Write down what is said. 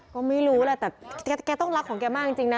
ก็ไม่รู้แหละแต่แกต้องรักของแกมากจริงนะ